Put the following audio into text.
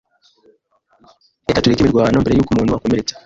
Reka tureke imirwano mbere yuko umuntu akomeretsa.